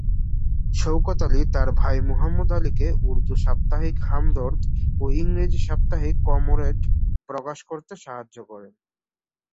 শওকত আলি তার ভাই মুহাম্মদ আলিকে উর্দু সাপ্তাহিক "হামদর্দ" ও ইংরেজি সাপ্তাহিক "কমরেড" প্রকাশ করতে সাহায্য করেন।